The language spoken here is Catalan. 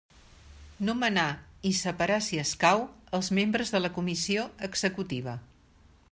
Nomenar, i separar si escau, els membres de la Comissió Executiva.